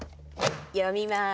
読みます。